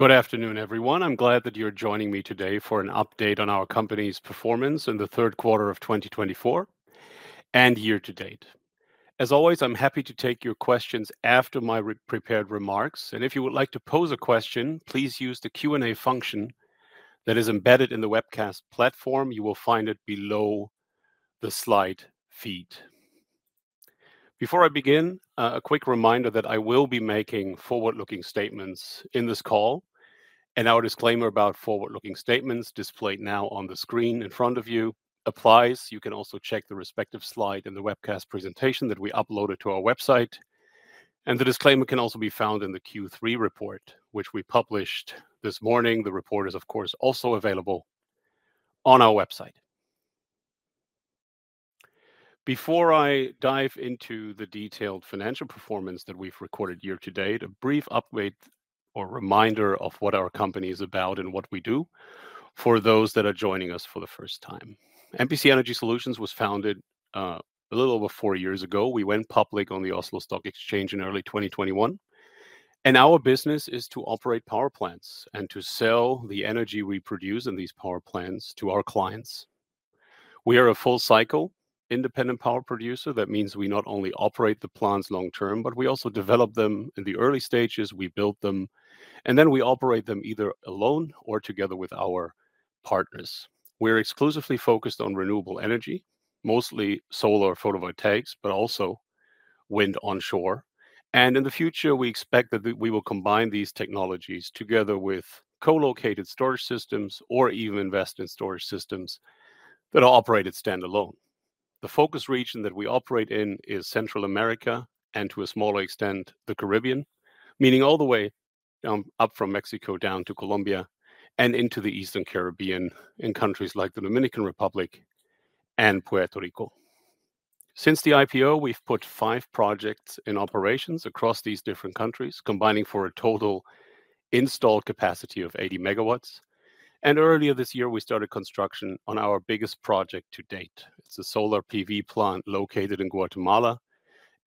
Good afternoon everyone. I'm glad that you're joining me today for an update on our company's performance in the third quarter of 2024 and year to date. As always, I'm happy to take your questions after my prepared remarks and if you would like to pose a question, please use the Q and A function that is embedded in the webcast platform. You will find it below the slide feed. Before I begin, a quick reminder that I will be making forward-looking statements in this call and our disclaimer about forward-looking statements displayed now on the screen in front of you applies. You can also check the respective slide in the webcast presentation that we uploaded to our website and the disclaimer can also be found in the Q3 report which we published this morning. The report is of course also available on our website. Before I dive into the detailed financial performance that we've recorded year to date, a brief update or reminder of what our company is about and what we do for those that are joining us for the first time. MPC Energy Solutions was founded a little over four years ago. We went public on the Oslo Stock Exchange in early 2021 and our business is to operate power plants and to sell the energy we produce in these power plants to our clients. We are a full cycle independent power producer. That means we not only operate the plants long term, but we also develop them in the early stages. We build them and then we operate them either alone or together with our partners. We're exclusively focused on renewable energy, mostly solar, photovoltaics, but also wind, onshore and in the future we expect that we will combine these technologies together with co-located storage systems or even invest in storage systems that are operated standalone. The focus region that we operate in is Central America and to a smaller extent the Caribbean, meaning all the way up from Mexico down to Colombia and into the Eastern Caribbean in countries like the Dominican Republic and Puerto Rico. Since the IPO we've put five projects in operations across these different countries, combining for a total installed capacity of 80 megawatts. Earlier this year we started construction on our biggest project to date, a solar PV plant located in Guatemala.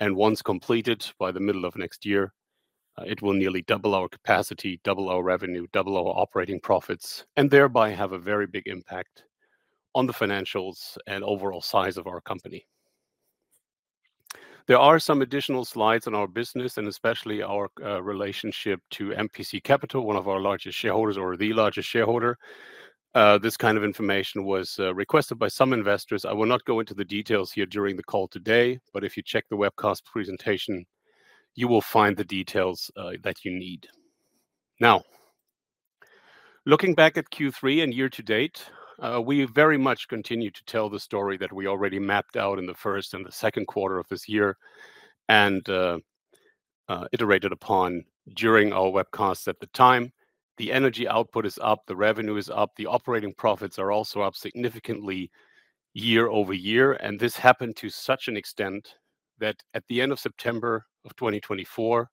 Once completed by the middle of next year, it will nearly double our capacity, double our revenue, double our operating profits, and thereby have a very big impact on the financials and overall size of our company. There are some additional slides on our business and especially our relationship to MPC Capital, one of our largest shareholders or the largest shareholder. This kind of information was requested by some investors. I will not go into the details here during the call today. If you check the webcast presentation, you will find the details that you need. Now, looking back at Q3 and year to date, we very much continue to tell the story that we already mapped out in the first and the second quarter of this year and iterated upon during our webcast at the time. The energy output is up, the revenue is up, the operating profits are also up significantly year over year, and this happened to such an extent that at the end of September of 2024,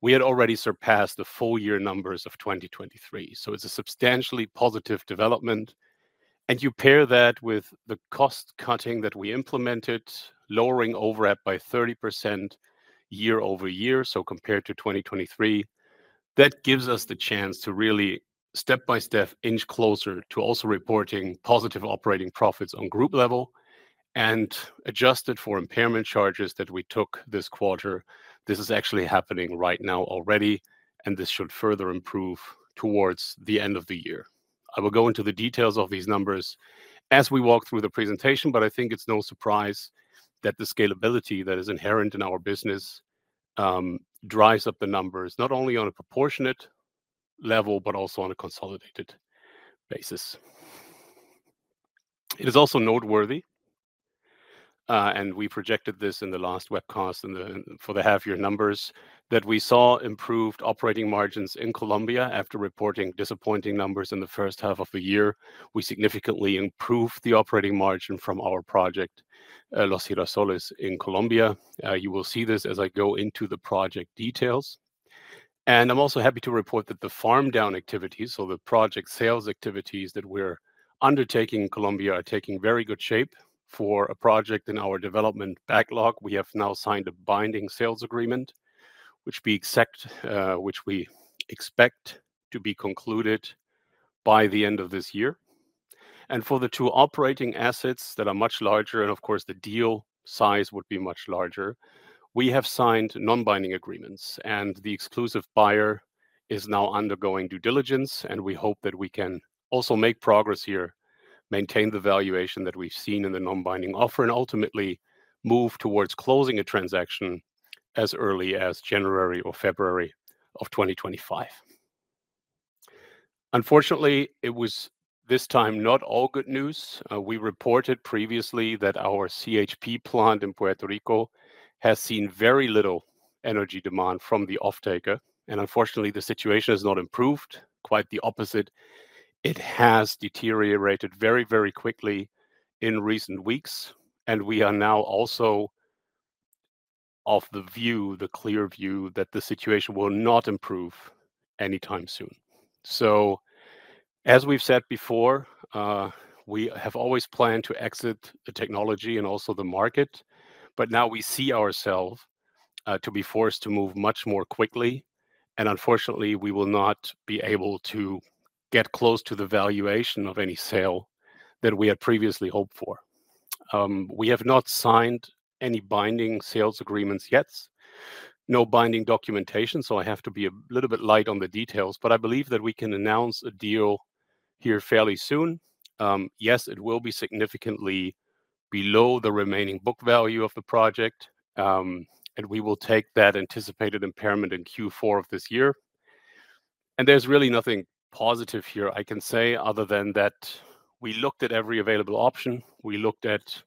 we had already surpassed the full year numbers of 2023, so it's a substantially positive development, and you pair that with the cost cutting that we implemented, lowering overhead by 30% year over year, so compared to 2023, that gives us the chance to really step by step inch closer to also reporting positive operating profits on group level. And, adjusted for impairment charges that we took this quarter, this is actually happening right now already, and this should further improve towards the end of the year. I will go into the details of these numbers as we walk through the presentation, but I think it's no surprise that the scalability that is inherent in our business drives up the numbers not only on a proportionate level, but also on a consolidated basis. It is also noteworthy, and we projected this in the last webcast for the half year numbers that we saw. Improved operating margins in Colombia. After reporting disappointing numbers in the first half of the year, we significantly improved the operating margin from our project Los Girasoles in Colombia. You will see this as I go into the project details, and I'm also happy to report that the farm down activities. So the project sales activities that we're undertaking in Colombia are taking very good shape for a project in our development backlog. We have now signed a binding sales agreement which we expect to be concluded by the end of this year. And for the two operating assets that are much larger, and of course the deal size would be much larger, we have signed non-binding agreements and the exclusive buyer is now undergoing due diligence. And we hope that we can also make progress here, maintain the valuation that we've seen in the non-binding offer and ultimately move towards closing a transaction as early as January or February of 2025. Unfortunately, it was this time not all good news. We reported previously that our CHP plant in Puerto Rico has seen very little energy demand from the off-taker. Unfortunately, the situation has not improved. Quite the opposite. It has deteriorated very, very quickly in recent weeks. We are now also of the view, the clear view, that the situation will not improve anytime soon. As we've said before, we have always planned to exit the technology and also the market. Now we see ourselves to be forced to move much more quickly and unfortunately we will not be able to get close to the valuation of any sale that we had previously hoped for. We have not signed any binding sales agreements yet, no binding documentation, so I have to be a little bit light on the details, but I believe that we can announce a deal here fairly soon. Yes, it will be significantly below the remaining book value of the project, and we will take that anticipated impairment in Q4 of this year, and there's really nothing positive here, I can say, other than that we looked at every available option, we looked at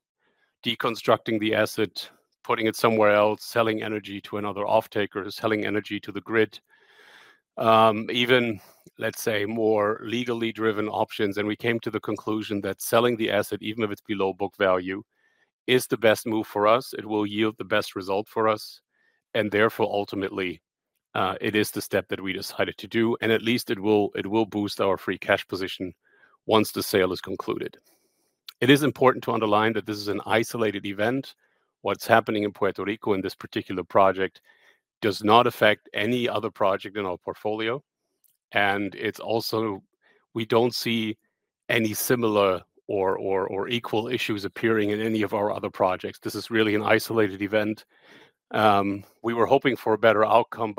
deconstructing the asset, putting it somewhere else, selling energy to another off-taker, selling energy to the grid, even let's say, more legally driven options, and we came to the conclusion that selling the asset, even if it's below book value is the best move for us, it will yield the best result for us, and therefore ultimately it is the step that we decided to do, and at least it will boost our free cash position once the sale is concluded. It is important to underline that this is an isolated event. What's happening in Puerto Rico in this particular project does not affect any other project in our portfolio, and it's also we don't see any similar or equal issues appearing in any of our other projects. This is really an isolated event. We were hoping for a better outcome,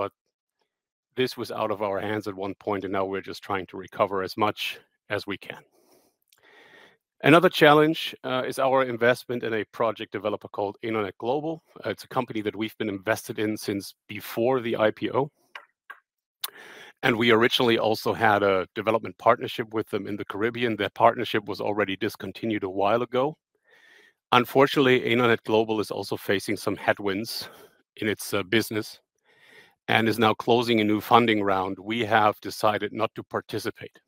but this was out of our hands at one point, and now we're just trying to recover as much as we can. Another challenge is our investment in a project developer called Enernet Global. It's a company that we've been invested in since before the IPO, and we originally also had a development partnership with them in the Caribbean. That partnership was already discontinued a while ago. Unfortunately, Enernet Global is also facing some headwinds in its business and is now closing a new funding round. We have decided not to participate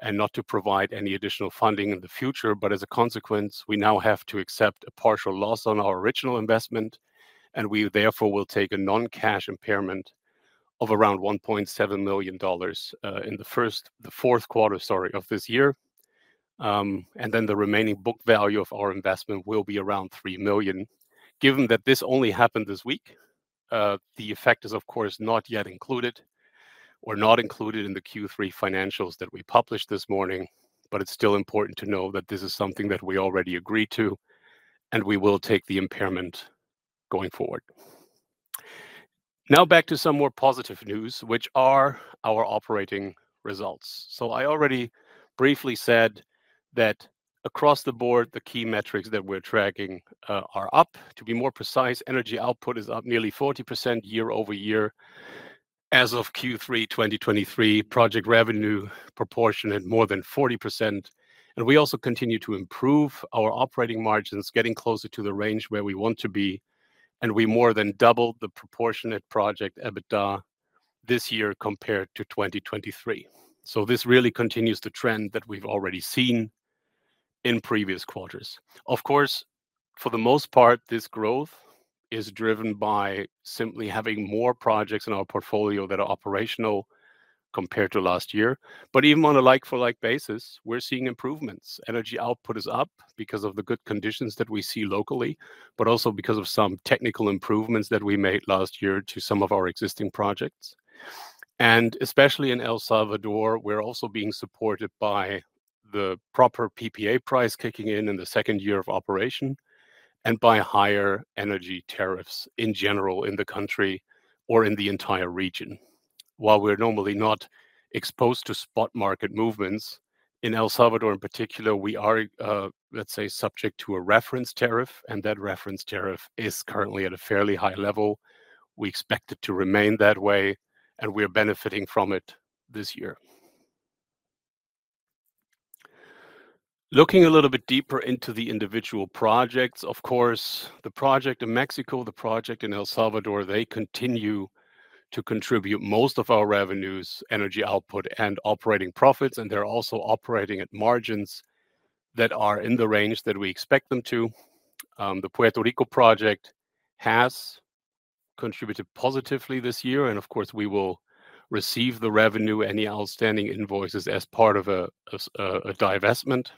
and not to provide any additional funding in the future. But as a consequence we now have to accept a partial loss on our original investment and we therefore will take a non-cash impairment of around $1.7 million in the fourth quarter, sorry, of this year and then the remaining book value of our investment will be around $3 million. Given that this only happened this week, the effect is of course not yet included or not included in the Q3 financials that we published this morning. But it's still important to know that this is something that we already agree to, and we will take the impairment going forward. Now back to some more positive news, which are our operating results. So I already briefly said that across the board, the key metrics that we're tracking are up. To be more precise, energy output is up nearly 40% year over year as of Q3, 2023. Proportionate project revenue [is up] more than 40%. We also continue to improve our operating margins, getting closer to the range where we want to be, and we more than doubled the proportionate project EBITDA this year compared to 2023, so this really continues the trend that we've already seen in previous quarters. Of course, for the most part, this growth is driven by simply having more projects in our portfolio that are operational compared to last year, but even on a like for like basis, we're seeing improvements. Energy output is up because of the good conditions that we see locally, but also because of some technical improvements that we made last year to some of our existing projects, and especially in El Salvador. We're also being supported by the proper PPA price kicking in in the second year of operation and by higher energy tariffs in general in the country or in the entire region. While we're normally not exposed to spot market movements, in El Salvador in particular, we are, let's say, subject to a reference tariff, and that reference tariff is currently at a fairly high level. We expect it to remain that way, and we are benefiting from it this year. Looking a little bit deeper into the individual projects, of course, the project in Mexico, the project in El Salvador, they continue to contribute most of our revenues, energy output and operating profits, and they're also operating at margins that are in the range that we expect them to. The Puerto Rico project has contributed positively this year, and of course, we will receive the revenue, any outstanding invoices as part of a divestment.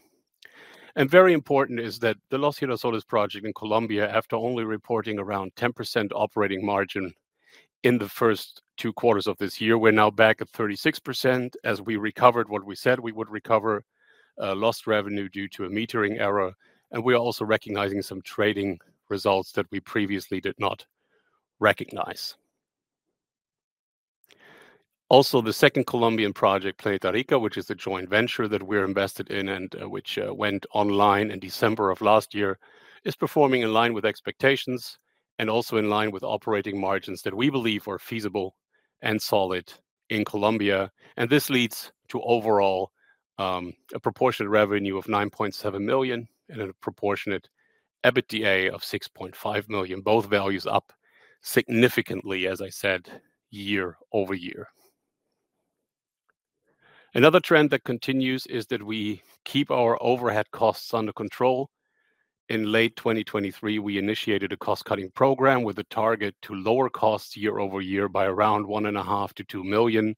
And very important is that the Los Girasoles project in Colombia, after only reporting around 10% operating margin in the first two quarters of this year, we're now back at 36% as we recovered what we said we would recover, lost revenue due to a metering error. And we are also recognizing some trading results that we previously did not recognize. Also, the second Colombian project, Planeta Rica, which is a joint venture that we're invested in and which went online in December of last year, is performing in line with expectations and also in line with operating margins that we believe are feasible and solid in Colombia. This leads to overall a proportionate revenue of $9.7 million and a proportionate EBITDA of $6.5 million. Both values up significantly, as I said, year over year. Another trend that continues is that we keep our overhead costs under control. In late 2023, we initiated a cost cutting program with a target to lower costs year over year by around $1.5-$2 million.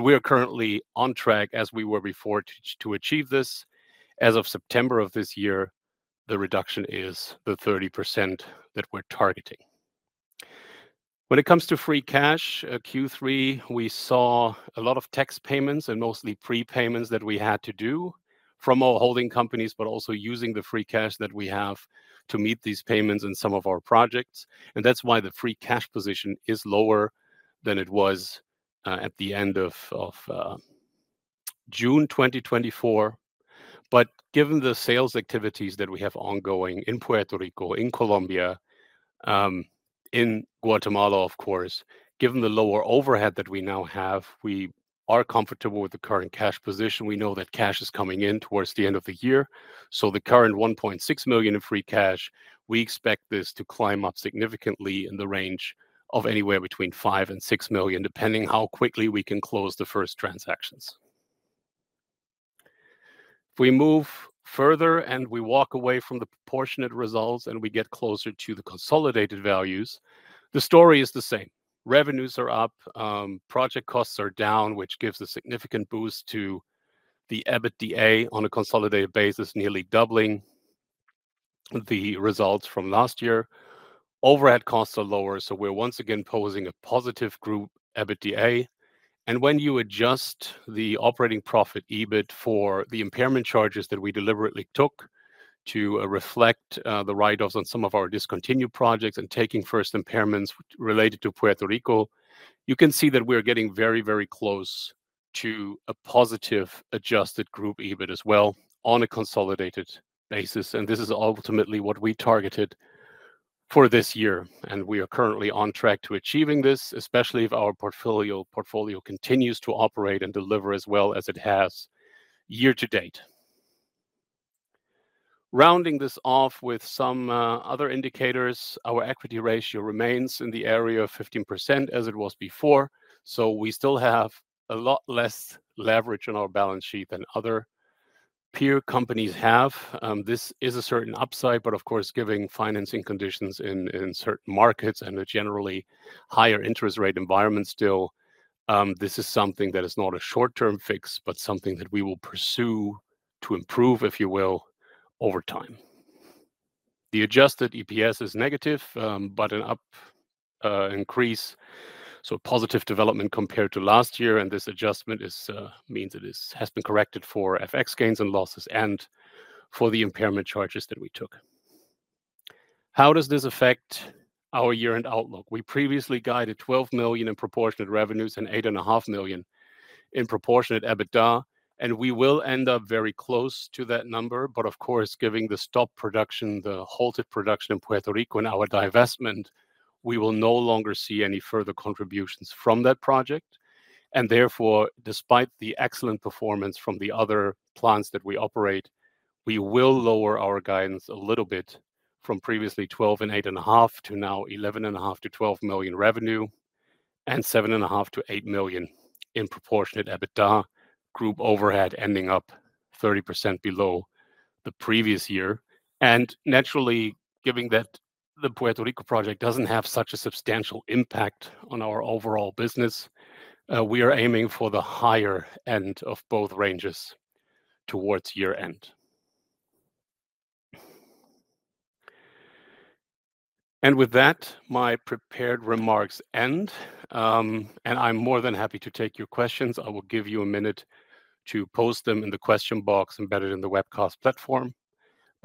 We are currently on track, as we were before, to achieve this. As of September of this year. The reduction is the 30% that we're targeting when it comes to free cash. Q3, we saw a lot of tax payments and mostly prepayments that we had to do from our holding companies, but also using the free cash that we have to meet these payments in some of our projects. And that's why the free cash position is lower than it was at the end of June 2024. But given the sales activities that we have ongoing in Puerto Rico, in Colombia, in Guatemala, of course, given the lower overhead that we now have, we are comfortable with the current cash position. We know that cash is coming in towards the end of the year. So the current $1.6 million in free cash, we expect this to climb up significantly in the range of anywhere between $5-$6 million, depending how quickly we can close the first transactions. If we move further and we walk away from the proportionate results and we get closer to the consolidated values, the story is the same. Revenues are up, project costs are down, which gives a significant boost to the EBITDA on a consolidated basis, nearly doubling the results from last year. Overhead costs are lower. So we're once again posting a positive group EBITDA. And when you adjust the operating profit EBIT for the impairment charges that we deliberately took to reflect the write-offs on some of our discontinued projects and taking first impairments related to Puerto Rico, you can see that we're getting very, very close to a positive adjusted group EBIT as well on a consolidated basis. And this is ultimately what we targeted for this year. And we are currently on track to achieving this, especially if our portfolio continues to operate and deliver as well as it has year to date. Rounding this off with some other indicators, our equity ratio remains in the area of 15% as it was before. So we still have a lot less leverage on our balance sheet than other peer companies have. This is a certain upside, but of course given financing conditions in certain markets and a generally higher interest rate environment still, this is something that is not a short-term fix, but something that we will pursue to improve, if you will, over time. The Adjusted EPS is negative, but an up increase, so positive development compared to last year and this adjustment means it has been corrected for FX gains and losses and for the impairment charges that we took. How does this affect our year-end outlook? We previously guided $12 million in proportionate revenues and $8.5 million in proportionate EBITDA and we will end up very close to that number, but of course, given the stopped production, the halted production in Puerto Rico and our divestment, we will no longer see any further contributions from that project. Therefore, despite the excellent performance from the other plants that we operate, we will lower our guidance a little bit from previously $12 million and $8.5 million to now $11.5-$12 million revenue and $7.5-$8 million in proportionate EBITDA. Group overhead ending up 30% below the previous year. Naturally, given that the Puerto Rico project doesn't have such a substantial impact on our overall business, we are aiming for the higher end of both ranges towards year end. With that, my prepared remarks end and I'm more than happy to take your questions. I will give you a minute to post them in the question box embedded in the webcast platform.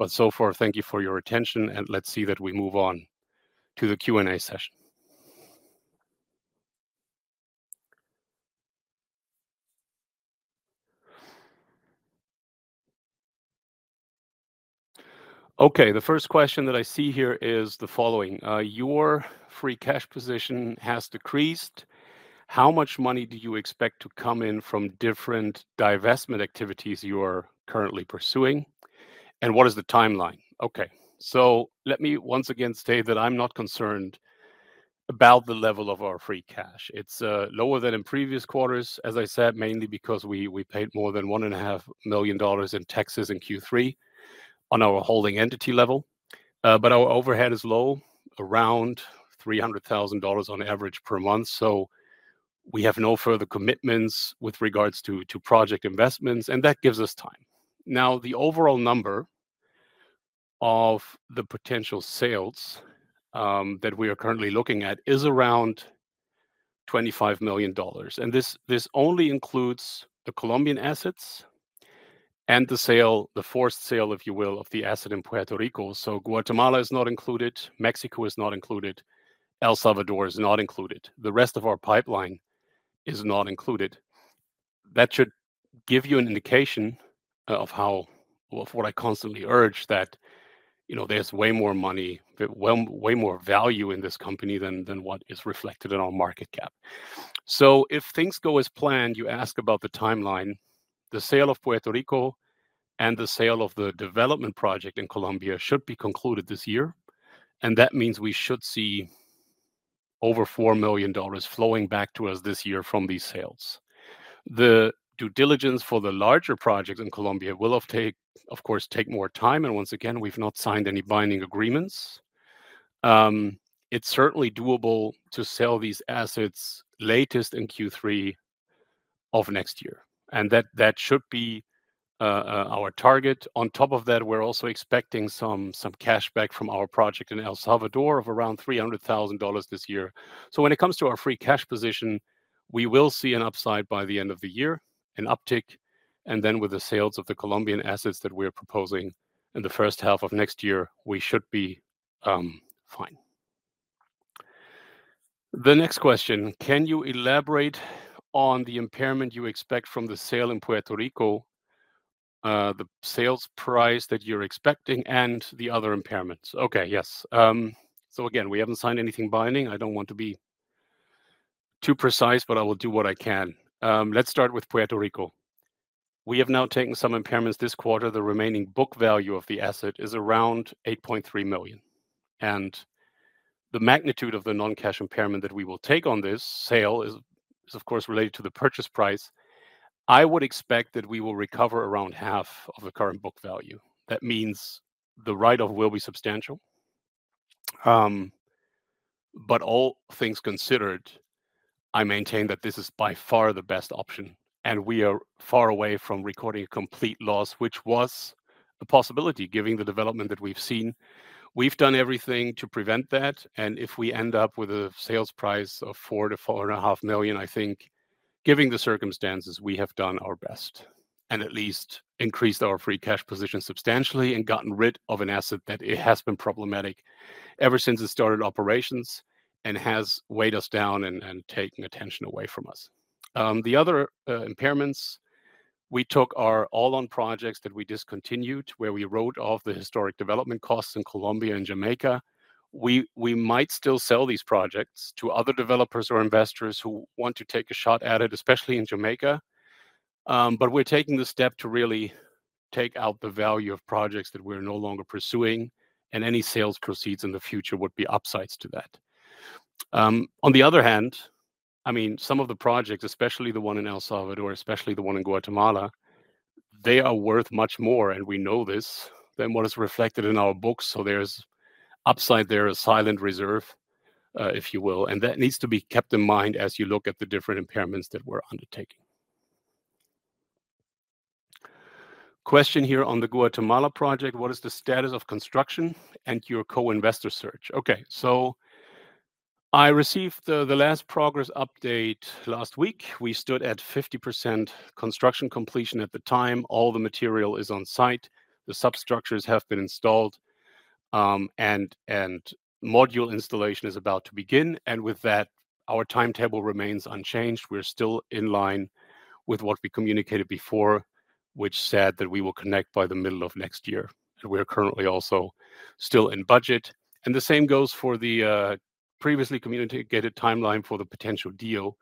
So far, thank you for your attention. Let's see that we move on to the Q&A session. Okay, the first question that I see here is the following. Your free cash position has decreased. How much money do you expect to come in from different divestment activities you are currently pursuing and what is the timeline? Okay, so let me once again state that I'm not concerned about the level of our free cash. It's lower than in previous quarters, as I said, mainly because we paid more than $1.5 million in taxes in Q3 on our holding entity level. But our overhead is low, around $300,000 on average per month. So we have no further commitments with regards to project investments and that gives us time. Now, the overall number of the potential sales that we are currently looking at is around $25 million. And this only includes the Colombian assets and the sale, the forced sale if you will, of the asset in Puerto Rico. So Guatemala is not included. Mexico is not included. El Salvador is not included. The rest of our pipeline is not included. That should give you an indication of how. Of what? I constantly urge that there's way more money, way more value in this company than what is reflected in our market cap. If things go as planned, you ask about the timeline. The sale of Puerto Rico and the sale of the development project in Colombia should be concluded this year. And that means we should see over $4 million flowing back to us this year from these sales. The due diligence for the larger projects in Colombia will of course take more time. And once again, we've not signed any binding agreements. It's certainly doable to sell these assets latest in Q3 of next year and that should be our target. On top of that, we're also expecting some cash back from our project in El Salvador of around $300,000 this year. So when it comes to our free cash position, we will see an upside by the end of the year, an uptick, and then with the sales of the Colombian assets that we are proposing in the first half of next year, we should be fine. The next question. Can you elaborate on the impairment you expect from the sale in Puerto Rico, the sales price that you're expecting and the other impairments? Okay, yes. So again, we haven't signed anything binding. I don't want to be too precise, but I will do what I can. Let's start with Puerto Rico. We have now taken some impairments this quarter. The remaining book value of the asset is around $8.3 million. The magnitude of the non-cash impairment that we will take on this sale is of course related to the purchase price. I would expect that we will recover around half of the current book value. That means the write-off will be substantial. But all things considered, I maintain that this is by far the best option. We are far away from recording a complete loss, which was a possibility given the development that we've seen. We've done everything to prevent that. If we end up with a sales price of $4-$4.5 million, I think given the circumstances, we have done our best and at least increased our free cash position substantially and gotten rid of an asset that has been problematic ever since it started operations and has weighed us down and taken attention away from us. The other impairments. We took a write-off on projects that we discontinued where we wrote off the historic development costs in Colombia and Jamaica. We might still sell these projects to other developers or investors who want to take a shot at it, especially in Jamaica, but we're taking the step to really take out the value of projects that we're no longer pursuing. Any sales proceeds in the future would be upsides to that. On the other hand, I mean, some of the projects, especially the one in El Salvador, especially the one in Guatemala, they are worth much more and we know this than what is reflected in our books, so there's upside there, a silent reserve, if you will. That needs to be kept in mind as you look at the different impairments that we're undertaking. Question here on the Guatemala project: what is the status of construction and your co-investor search? Okay, so I received the last progress update last week. We stood at 50% construction completion. At the time all the material is on site, the substructures have been installed and module installation is about to begin. And with that our timetable remains unchanged. We're still in line with what we communicated before which said that we will connect by the middle of next year. We're currently also still in budget and the same goes for the previously communicated timeline for the potential deal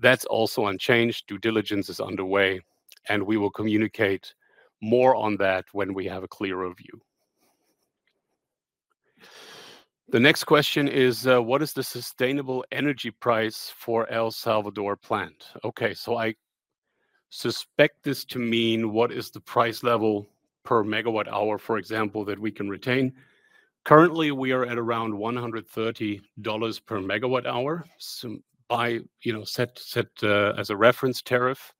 that's also unchanged. Due diligence is underway and we will communicate more on that when we have a clearer view. The next question is what is the sustainable energy price for El Salvador plant? Okay, so I suspect this to mean what is the price level per megawatt hour, for example, that we can retain? Currently we are at around $130 per megawatt hour by, you know, set as a reference tariff,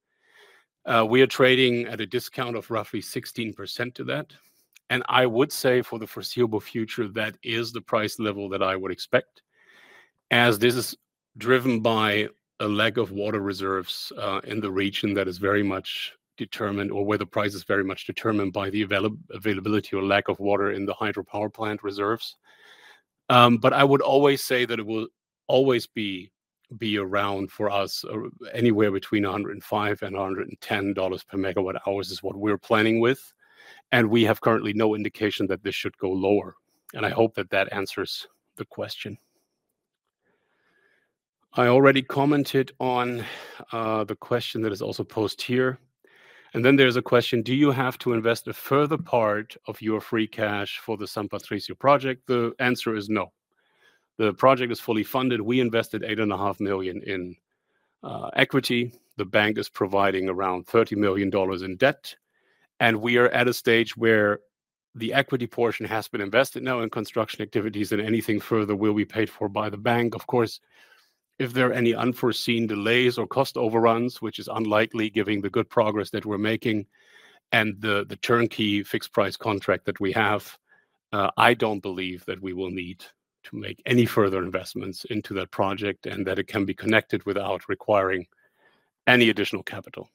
we are trading at a discount of roughly 16% to that. And I would say for the foreseeable future that is the price level that I would expect as this is driven by a lack of water reserves in the region that is very much determined or where the price is very much determined by the availability or lack of water in the hydropower plant reserves. But I would always say that it will always be around for us. Anywhere between $105 and $110 per megawatt hours is what we're planning with. And we have currently no indication that this should go lower. And I hope that that answers the question. I already commented on the question that is also posed here. And then there's a question, do you have to invest a further part of your free cash for the San Patricio project? The answer is no. The project is fully funded. We invested $8.5 million in equity. The bank is providing around $30 million in debt and we are at a stage where the equity portion has been invested now in construction activities and anything further will be paid for by the bank. Of course, if there are any unforeseen delays or cost overruns, which is unlikely given the good progress that we're making and the turnkey fixed price contract that we have, I don't believe that we will need to make any further investments into that project and that it can be connected without requiring any additional capital.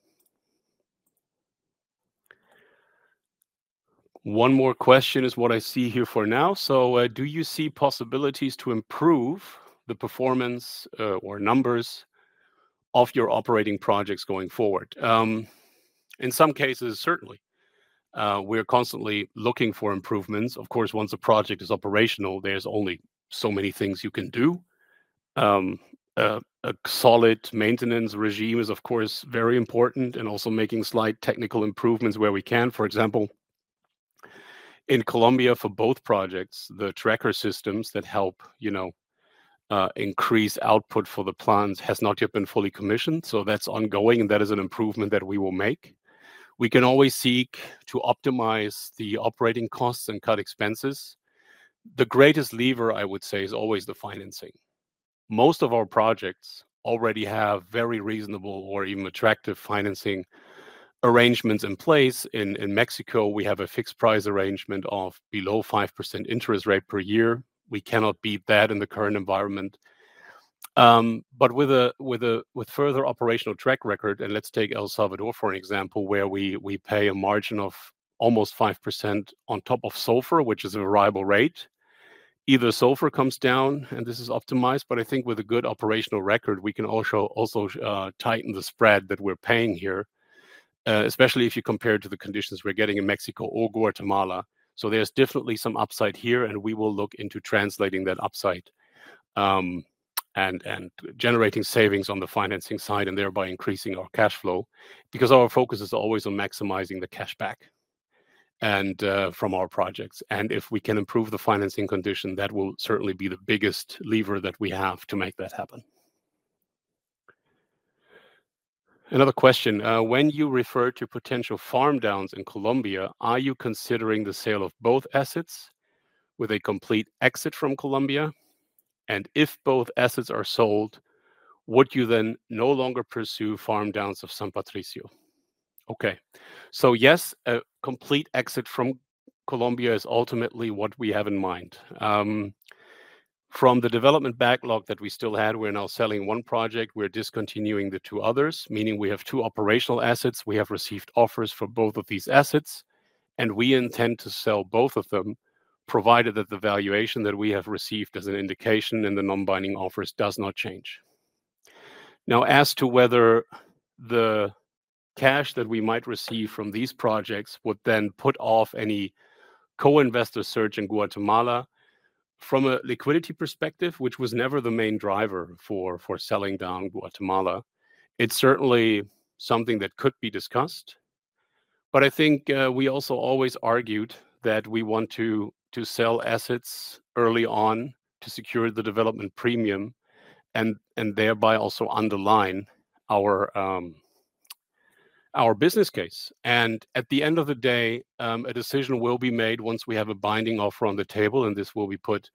One more question is what I see here for now. So do you see possibilities to improve the performance or numbers of your operating projects going forward? In some cases, certainly we are constantly looking for improvements. Of course, once a project is operational, there's only so many things you can do. A solid maintenance regime is of course very important. And also making slight technical improvements where we can. For example, in Colombia, for both projects, the tracker systems that help, you know, increase output for the plants has not yet been fully commissioned. So that's ongoing and that is an improvement that we will make. We can always seek to optimize the operating costs and cut expenses. The greatest lever, I would say, is always the financing. Most of our projects already have very reasonable or even attractive financing arrangements in place. In Mexico we have a fixed price arrangement of below 5% interest rate per year. We cannot beat that in the current environment, but with further operational track record, and let's take El Salvador for an example, where we pay a margin of almost 5% on top of SOFR, which is a variable rate. Either SOFR comes down and this is optimized. But I think with a good operational record we can also tighten the spread that we're paying here, especially if you compare to the conditions we're getting in Mexico or Guatemala. So there's definitely some upside here and we will look into translating that upside and generating savings on the financing side and thereby increasing our cash flow. Because our focus is always on maximizing the cash back from our projects. And if we can improve the financing condition, that will certainly be the biggest lever that we have to make that happen. Another question, when you refer to potential farm downs in Colombia, are you considering the sale of both assets with a complete exit from Colombia? And if both assets are sold, would you then no longer pursue farm downs of San Patricio? Okay, so yes, a complete exit from Colombia is ultimately what we have in mind from the development backlog that we still had. We're now selling one project, we're discontinuing the two others, meaning we have two operational assets. We have received offers for both of these assets and we intend to sell both of them, provided that the valuation that we have received as an indication in the non-binding offers does not change. Now, as to whether the cash that we might receive from these projects would then put off any co-investor search in Guatemala. From a liquidity perspective, which was never the main driver for selling down Guatemala, it's certainly something that could be discussed. I think we also always argued that we want to sell assets early on to secure the development premium and thereby also underline our business case. And at the end of the day a decision will be made once we have a binding offer on the table, and this will be put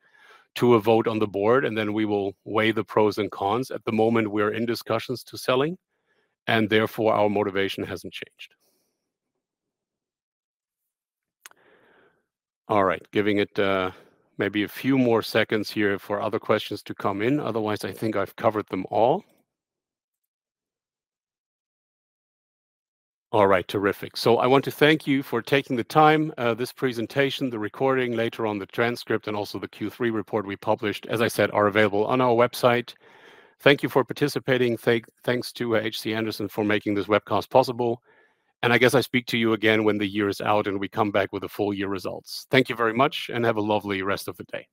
to a vote on the board, and then we will weigh the pros and cons. At the moment, we are in discussions to selling, and therefore, our motivation hasn't changed. All right. Giving it maybe a few more seconds here for other questions to come in. Otherwise, I think I've covered them all. All right. Terrific. So I want to thank you for taking the time. This presentation, the recording later on, the transcript and also the Q3 report we published, as I said, are available on our website. Thank you for participating. Thanks to HC Andersen for making this webcast possible. And I guess I speak to you again when the year is out and we come back with the full year results. Thank you very much and have a lovely rest of the day.